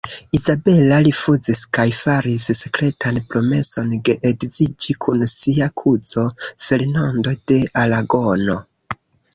Izabela rifuzis kaj faris sekretan promeson geedziĝi kun sia kuzo, Fernando de Aragono.